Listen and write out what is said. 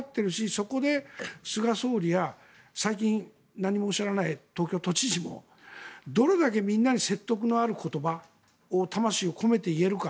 そこで菅総理や最近、何もおっしゃらない東京都知事もどれだけみんなに説得のある言葉を魂を込めて言えるか。